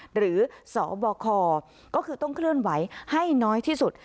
หรือสบคก็คือต้องเคลื่อนไหวให้น้อยที่สุด